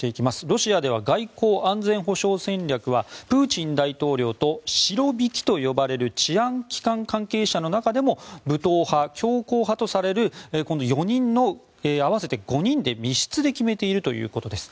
ロシアでは外交・安全保障戦略はプーチン大統領とシロビキと呼ばれる治安機関関係者の中でも武闘派、強硬派とされる今度４人の合わせて５人で密室で決めているということです。